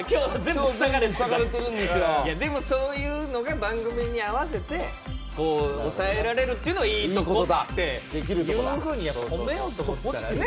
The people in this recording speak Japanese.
でも、そういうのが番組に合わせて抑えられるっていうのがいいところだって褒めようと思ったら。